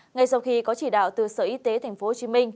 ngay sau khi có chỉ đạo từ sở y tế tp hcm